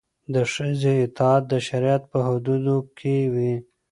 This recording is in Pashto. د ښځې اطاعت د شریعت په حدودو کې وي.